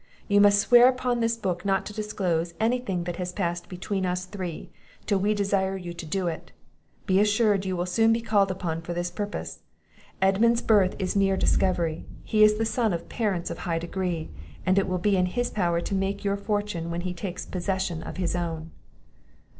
You must swear upon this book not to disclose any thing that has passed between us three, till we desire you to do it. Be assured you will soon be called upon for this purpose; Edmund's birth is near the discovery; He is the son of parents of high degree; and it will be in his power to make your fortune, when he takes possession of his own."